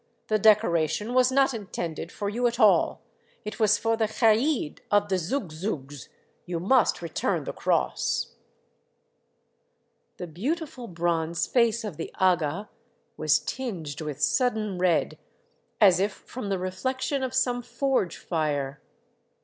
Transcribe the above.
The decoration was not intended for you at all. It was for the kaid of the Zoug Zougs. You must return the cross. " The beautiful bronze face of the aga was tinged with sudden red, as if from the reflection of some forge fire.